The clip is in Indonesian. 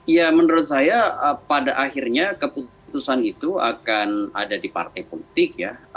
ya menurut saya pada akhirnya keputusan itu akan ada di partai politik ya